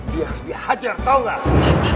dia hajar tau gak